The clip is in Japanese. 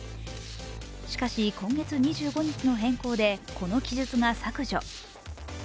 しかし、今月２５日の変更でこの記述が削除。